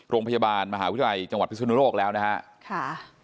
โรงพยาบาลมหาวิทยาลัยจังหวัดพิศนุโลกแล้วนะครับ